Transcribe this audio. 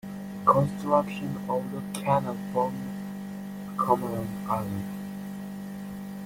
The construction of the canal formed Comerong Island.